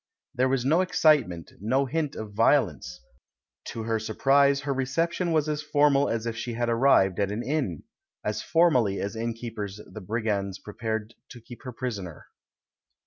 There was no excite ment, no hint of violence; to her surprise, her reception was as formal as if she had arrived at an inn — as formally as innkeepers the brigands prepared to keep her prisoner.